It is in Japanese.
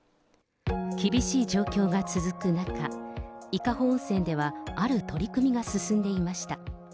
厳しい状況が続く中、伊香保温泉では、ある取り組みが進んでいました。